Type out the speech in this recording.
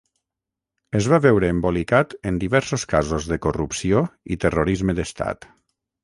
Es va veure embolicat en diversos casos de corrupció i terrorisme d'Estat.